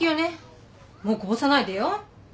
もうこぼさないでよ？